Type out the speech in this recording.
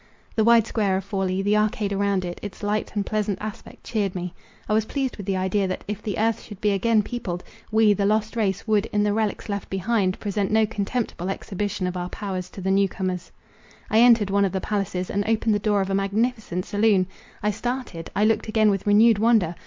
The wide square of Forli, the arcade around it, its light and pleasant aspect cheered me. I was pleased with the idea, that, if the earth should be again peopled, we, the lost race, would, in the relics left behind, present no contemptible exhibition of our powers to the new comers. I entered one of the palaces, and opened the door of a magnificent saloon. I started—I looked again with renewed wonder.